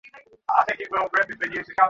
এই দুইজনে সত্যি বলছে।